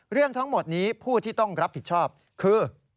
เรื่องทั้งหมดนี้ผู้ที่ต้องรับผิดชอบคือ